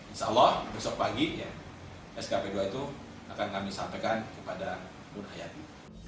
insya allah besok pagi skp dua itu akan kami sampaikan kepada nur hayati